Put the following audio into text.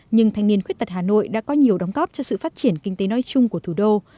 nhưng thanh niên khuyết tật hà nội đã có nhiều đóng góp cho sự phát triển kinh tế nói chung của thủ đô